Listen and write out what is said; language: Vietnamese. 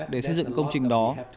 để xây dựng công trình đó